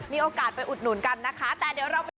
มีโอกาสไปอุดหนุนกันนะคะแต่เดี๋ยวเราไปดู